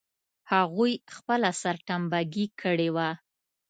هغوی خپله سرټمبه ګي کړې وه.